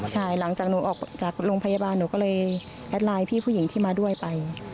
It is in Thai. ใช่หลังจากหนูออกจากโรงพยาบาลหนูก็เลยแอดไลน์พี่ผู้หญิงที่มาด้วยไป